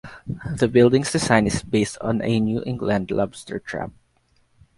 The building's design is based on a New England lobster trap.